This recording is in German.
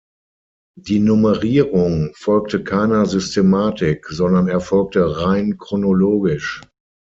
Die Nummerierung folgte keiner Systematik, sondern erfolgte rein chronologisch.